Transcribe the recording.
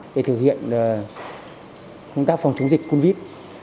để thực hiện công tác phòng chống dịch covid